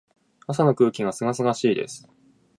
朝の空気が清々しいです。